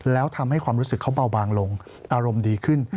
แล้วทำให้ความรู้สึกเขาเบาบางลงอารมณ์ดีขึ้น